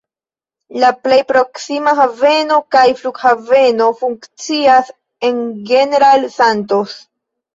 La plej proksima haveno kaj flughaveno funkcias en General Santos.